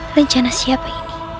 rencana siapa ini